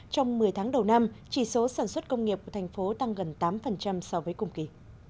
trong một mươi tháng đầu năm chỉ số sản xuất công nghiệp của thành phố tăng gần tám so với cùng kỳ